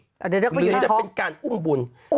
อ่ะเดี๋ยวเรียกว่าท้องหรือจะเป็นการอุ้งบุญ